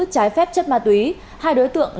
trái phép chất ma túy hai đối tượng